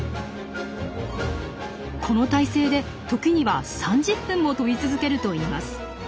この体勢で時には３０分も飛び続けるといいます。